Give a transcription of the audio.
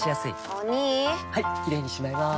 お兄はいキレイにしまいます！